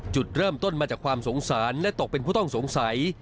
จุดเริ่มต้นมาจากความสงสารและตกเป็นผู้ต้องสงสัย